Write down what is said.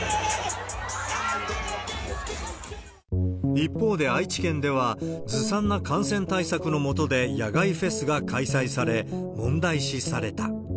一方で愛知県では、ずさんな感染対策の下で野外フェスが開催され、問題視された。